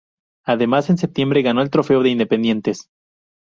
Además, en septiembre ganó el Trofeo de Independientes.